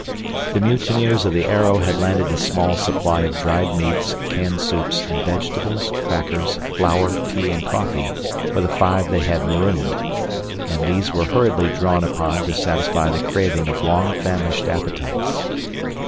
The mutineers of the Arrow had landed a small supply of dried meats, canned soups and vegetables, crackers, flour, tea, and coffee for the five they had marooned, and these were hurriedly drawn upon to satisfy the craving of long famished appetites.